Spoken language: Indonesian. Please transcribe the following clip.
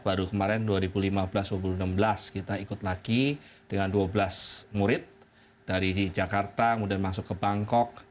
baru kemarin dua ribu lima belas dua ribu enam belas kita ikut lagi dengan dua belas murid dari jakarta kemudian masuk ke bangkok